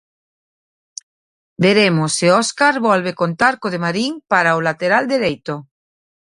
Veremos se Óscar volve contar co de Marín para o lateral dereito.